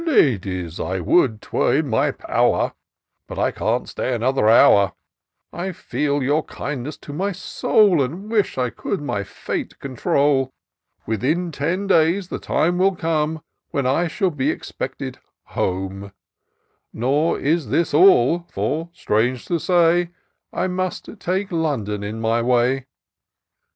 " Ladies, I would 'twere in my pow'r, But I can't stay another hour : I feel your kindness to my soul, And wish I could my fate control : Within ten days the time will come When I shall be expected home ; 168 TOUR OF DOCTOR SYNTAX Nor is this all — for strange to say, I must take London in my way."